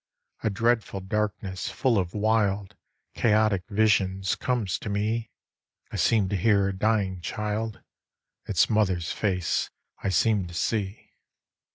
A dreadful darkness, full of wild, Chaotic visions, comes to me: I seem to hear a dying child, Its mother's face I seem to see.